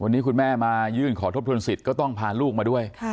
วันนี้คุณแม่มายื่นขอทบทวนสิทธิ์ก็ต้องพาลูกมาด้วย